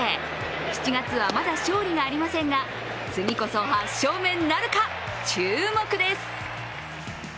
７月は、まだ勝利がありませんが、次こそ８勝目なるか、注目です。